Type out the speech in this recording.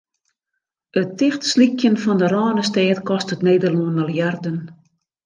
It tichtslykjen fan de Rânestêd kostet Nederlân miljarden.